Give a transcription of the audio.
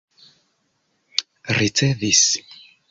ricevis